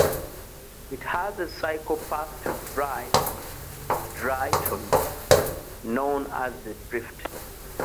It has a cycle path to Dry Drayton, known as The Drift.